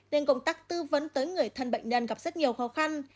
nên công tác tư vấn tới người thân bệnh nhân gặp rất nhiều khó khăn